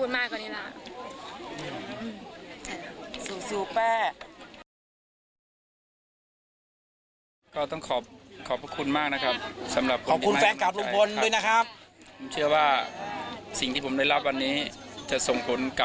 ไม่อยากพูดมากกว่านี้นะ